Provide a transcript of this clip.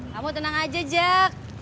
kamu tenang aja jack